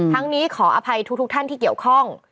นี้ขออภัยทุกท่านที่เกี่ยวข้อง